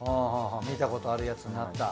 見たことあるやつになった。